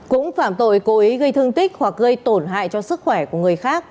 cũng phạm tội cố ý gây thương tích hoặc gây tổn hại cho sức khỏe của người khác